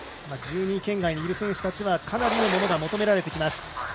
１２位圏外にいる選手たちはかなりのものを求められてきます。